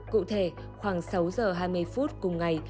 cụ thể khoảng sáu giờ hai mươi phút cùng ngày